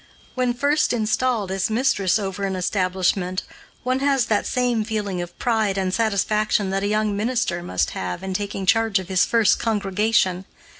When first installed as mistress over an establishment, one has that same feeling of pride and satisfaction that a young minister must have in taking charge of his first congregation.